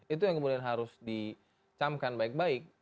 itu yang kemudian harus dicamkan baik baik